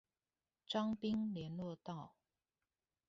彰濱聯絡道